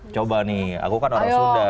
coba nih aku kan orang sunda